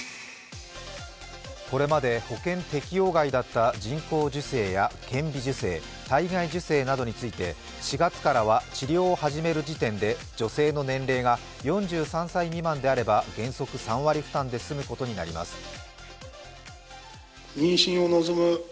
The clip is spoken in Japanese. これまで保険適用外だった人工授精や顕微授精、体外受精などについて４月から治療を始める時点で女性の年齢が４３歳未満であれば、原則３割負担で済むことになります。